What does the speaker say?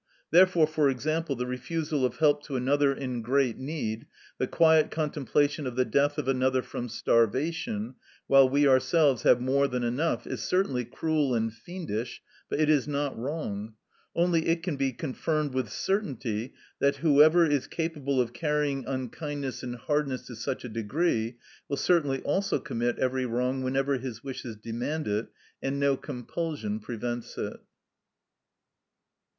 Therefore, for example, the refusal of help to another in great need, the quiet contemplation of the death of another from starvation while we ourselves have more than enough, is certainly cruel and fiendish, but it is not wrong; only it can be affirmed with certainty that whoever is capable of carrying unkindness and hardness to such a degree will certainly also commit every wrong whenever his wishes demand it and no compulsion prevents it.